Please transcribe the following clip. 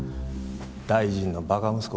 大臣のばか息子